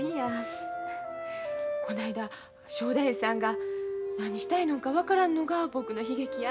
こないだ正太夫さんが「何したいのんか分からんのが僕の悲劇や」